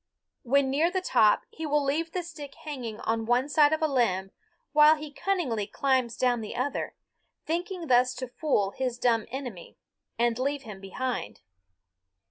When near the top he will leave the stick hanging on one side of a limb while he cunningly climbs down the other, thinking thus to fool his dumb enemy and leave him behind.